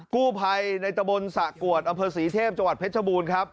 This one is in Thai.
กูภัยในตะบนสะกวดอำเภอศรีเทพจเพชรบูรณ์ครับ